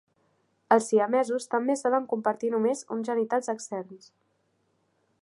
Els siamesos també solen compartir només uns genitals externs.